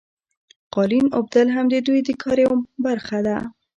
قالین اوبدل هم د دوی د کار یوه برخه وه.